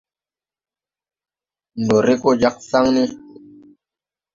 Ndo re go jāg saŋ ne.